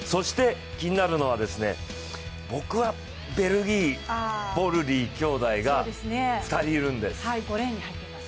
気になるのは、僕はベルギー、ボルリー兄弟が２人いるんです。